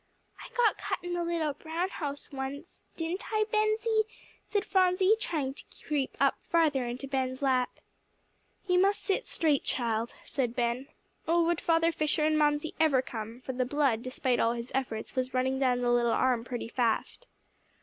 "I got cut in the little brown house once, didn't I, Bensie?" said Phronsie, and trying to creep up further into Ben's lap. "You must sit straight, child," said Ben. Oh, would Father Fisher and Mamsie ever come! for the blood, despite all his efforts, was running down the little arm pretty fast.